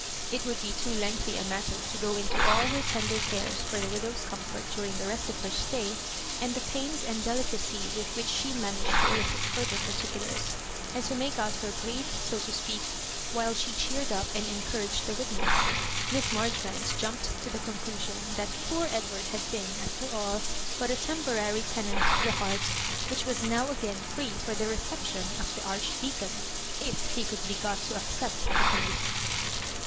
It would l^ too lengthy a matter to go into all her tender cares for the widow's comfort during the rest of her stay, and the pains and delicacy with which she managed to elicit further particulars, and to make out her brief, so to speak, while she cheered up and encouraged the witness. Miss Marjoribanks jumped to the con clusion that "poor Edward" had been, after all, but a temporary tenant of the heart, which was now again free for the reception of the Archdea con, if he could be got to accept the conditions.